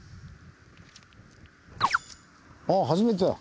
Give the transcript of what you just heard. あっ初めてだ。